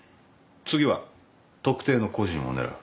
次は特定の個人を狙う。